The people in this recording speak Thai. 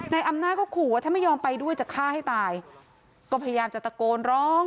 อำนาจก็ขู่ว่าถ้าไม่ยอมไปด้วยจะฆ่าให้ตายก็พยายามจะตะโกนร้อง